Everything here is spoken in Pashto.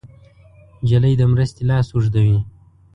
نجلۍ د مرستې لاس اوږدوي.